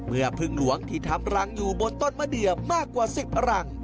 พึ่งหลวงที่ทำรังอยู่บนต้นมะเดือมากกว่า๑๐รัง